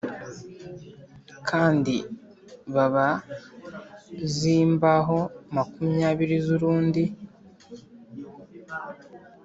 Kandi bab za imbaho makumyabiri z urundi